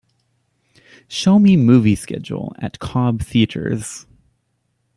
Show me movie schedule at Cobb Theatres